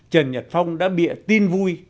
trần nhật phong đã bịa tin vui